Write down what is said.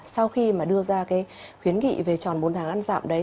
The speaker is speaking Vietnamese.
sau khi mà đưa ra cái khuyến nghị về tròn bốn tháng ăn giảm đấy